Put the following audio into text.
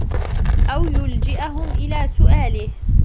أَوْ يُلْجِئَهُمْ إلَى سُؤَالِهِ